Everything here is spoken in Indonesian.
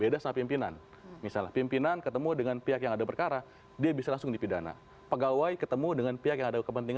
dia bisa langsung dipindahkan